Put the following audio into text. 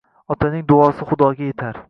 Otaning duosi xudoga etar